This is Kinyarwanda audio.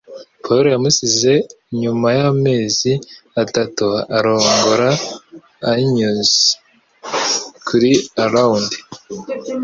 Pawulo yamusize nyuma y'amezi atatu arongora Angus kuri reound